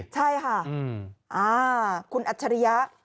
ใช่ค่ะอ่าคุณอัชริยะ